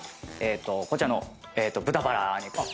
こちらの豚バラ肉ですね。